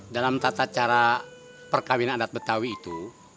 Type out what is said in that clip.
dalam tata cara perkawinan adat betawi itu